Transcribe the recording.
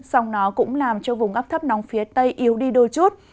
song nó cũng làm cho vùng ấp thấp nóng phía tây yếu đi đôi chút